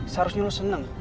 seharusnya lo seneng